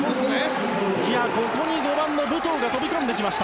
ここに５番の武藤が飛び込んできました。